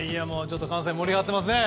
関西盛り上がっていますね。